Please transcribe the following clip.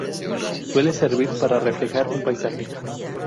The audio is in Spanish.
Suele servir para reflejar un paisaje.